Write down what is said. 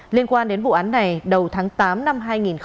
liên quan đến vụ án này đầu tháng tám năm hai nghìn một mươi chín